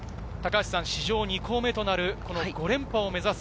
史上２校目となる５連覇を目指す。